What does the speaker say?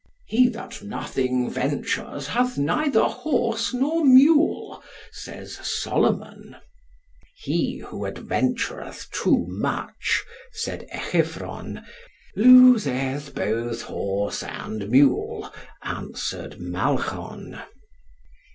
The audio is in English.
He that nothing ventures hath neither horse nor mule, says Solomon. He who adventureth too much, said Echephron, loseth both horse and mule, answered Malchon.